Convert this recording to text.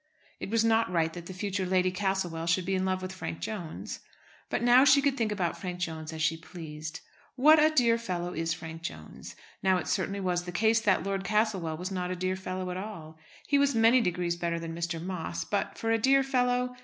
It was not right that the future Lady Castlewell should be in love with Frank Jones. But now she could think about Frank Jones as she pleased. What a dear fellow is Frank Jones! Now, it certainly was the case that Lord Castlewell was not a dear fellow at all. He was many degrees better than Mr. Moss, but for a dear fellow!